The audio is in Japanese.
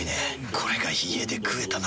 これが家で食えたなら。